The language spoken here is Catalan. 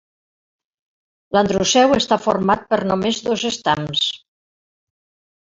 L'androceu està format per només dos estams.